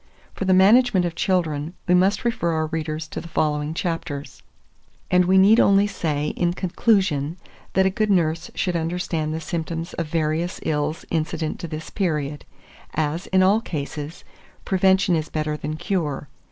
For the management of children, we must refer our readers to the following chapters; and we need only say, in conclusion, that a good nurse should understand the symptoms of various ills incident to this period, as, in all cases, prevention is better than cure.